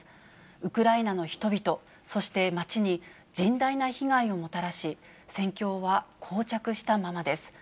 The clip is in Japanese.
ウクライナの人々、そして、街に甚大な被害をもたらし、戦況はこう着したままです。